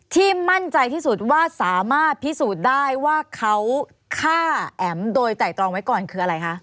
ที่มั่นใจที่สุดว่าสามารถพิสูจน์ได้ว่าเขาฆ่าแอ๋มโดยไตรตรองไว้ก่อนคืออะไรคะ